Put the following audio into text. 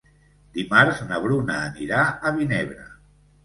Dimarts na Bruna anirà a Vinebre.